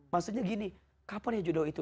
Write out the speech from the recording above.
maksudnya gini kapan ya judo itu